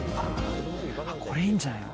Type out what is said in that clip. これいいんじゃない？